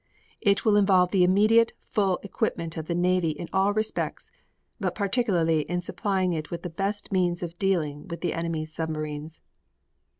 It will involve the immediate full equipment of the navy in all respects but particularly in supplying it with the best means of dealing with the enemy's submarines.